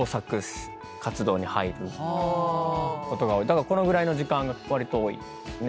だからこのぐらいの時間がわりと多いですね。